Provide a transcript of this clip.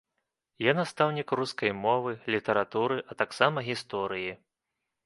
Я настаўнік рускай мовы, літаратуры, а таксама гісторыі.